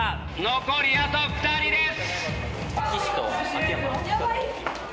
残りあと２人です。